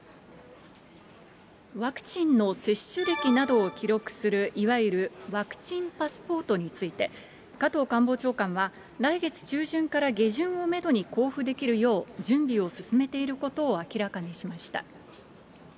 ワクチンの接種歴などを記録する、いわゆるワクチンパスポートについて、加藤官房長官は、来月中旬から下旬をメドに交付できるよう、準備を進めていることを明らかにしました。